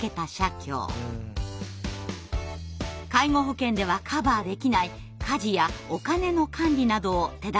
介護保険ではカバーできない家事やお金の管理などを手助けしています。